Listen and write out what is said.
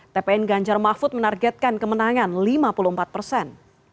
tpn ganjar mahfud menargetkan kemenangan lima puluh empat persen